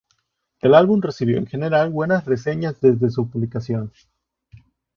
El álbum recibió en general buenas reseñas desde su publicación.